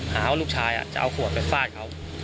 หาว่าลูกชายจะเอาขวดไปฟาดเขา